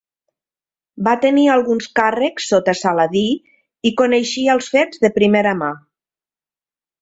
Va tenir alguns càrrecs sota Saladí i coneixia els fets de primera mà.